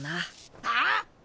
あっ？